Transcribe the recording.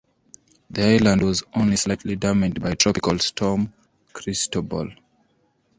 The island was only slightly damaged by Tropical Storm Cristobal.